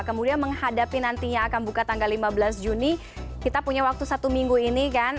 kemudian menghadapi nantinya akan buka tanggal lima belas juni kita punya waktu satu minggu ini kan